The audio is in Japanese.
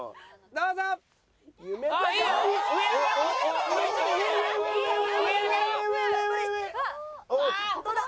どうだ？